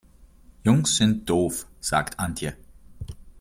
Jungs sind doof, sagt Antje.